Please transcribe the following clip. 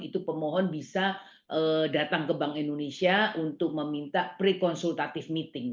itu pemohon bisa datang ke bank indonesia untuk meminta pre consultative meeting